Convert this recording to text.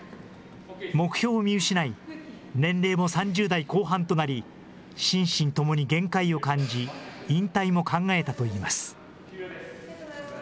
目標を見失い、年齢も３０代後半となり、心身ともに限界を感じ、引退も考えたといいます。